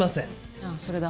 ああそれだ。